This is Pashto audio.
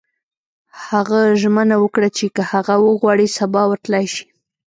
هغه ژمنه وکړه چې که هغه وغواړي سبا ورتلای شي